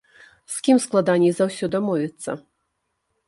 З кім складаней за ўсё дамовіцца?